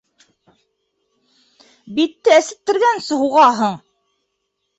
Битте әсеттергәнсе һуғаһың.